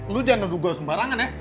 lu jangan nuduh gue sembarangan ya